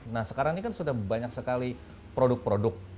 nah sekarang ini kan sudah banyak sekali produk produk